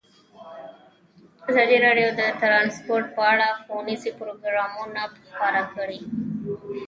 ازادي راډیو د ترانسپورټ په اړه ښوونیز پروګرامونه خپاره کړي.